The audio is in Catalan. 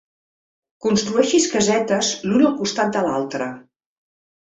Construeixis casetes l'una al costat de l'altra.